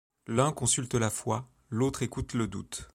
L’un consulte la foi ; l’autre écoute le doute ;